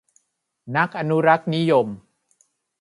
นักอนุรักษ์นิยม